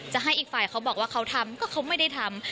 จะให้อีกฝ่ายเขาบอกว่าเขาทำก็เขาไม่ได้ทำ